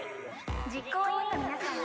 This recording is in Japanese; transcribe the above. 実行委員の皆さんは。